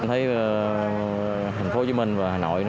thấy thành phố hồ chí minh và hà nội